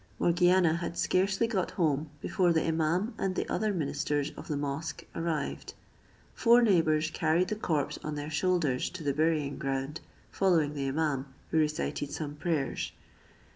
Morgiana had scarcely got home before the imaum and the other ministers of the mosque arrived. Four neighbours carried the corpse on their shoulders to the burying ground, following the imaum, who recited some prayers.